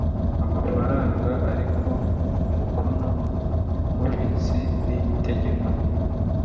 amafaranga ariko umukono w’Umubitsi ni itegeko.